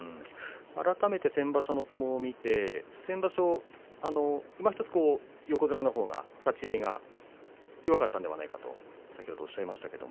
改めて先場所の相撲を見て先場所、１つ横綱のほうが立ち合いが弱かったんではないかとおっしゃいましたが。